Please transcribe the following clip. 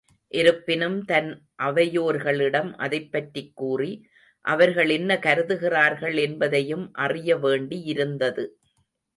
இருப்பினும் தன் அவையோர்களிடம் அதைப் பற்றிக் கூறி அவர்கள் என்ன கருதுகிறார்கள் என்பதையும் அறிய வேண்டியிருந்தது.